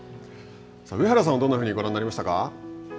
上原さんはどんなふうにご覧になりましたか。